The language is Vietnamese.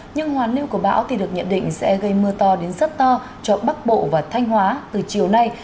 nhưng hoàn lưu của bão thì được nhận định sẽ gây mưa to đến rất to cho bắc bộ và thanh hóa từ chiều nay